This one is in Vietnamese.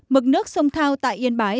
mực nước sông thao tại yên bái